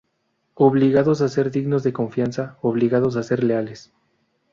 Obligados a ser dignos de confianza; obligados a ser leales.